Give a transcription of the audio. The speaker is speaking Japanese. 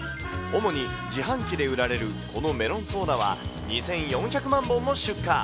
主に自販機で売られるこのメロンソーダは、２４００万本も出荷。